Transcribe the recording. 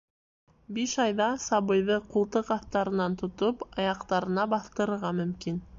Биш айҙа сабыйҙы, ҡултыҡ аҫтарынан тотоп, аяҡтарына баҫтырырға мөмкин.